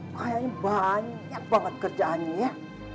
kayaknya banyak banget kerjaannya ya